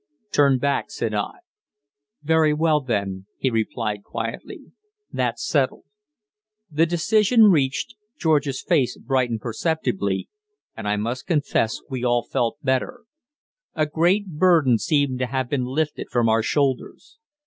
"Turn back," said I. "Very well, then" he replied quietly; "that's settled." The decision reached, George's face brightened perceptibly, and I must confess we all felt better; a great burden seemed to have been lifted from our shoulders.